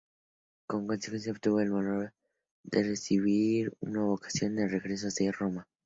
Como consecuencia, obtuvo el honor de recibir una ovación en su regreso a Roma.